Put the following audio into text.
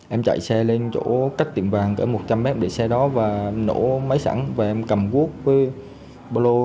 em chạy xe lên chỗ cách tiệm vàng kể một trăm linh m để xe đó và nổ máy sẵn và em cầm cuốc với bô lô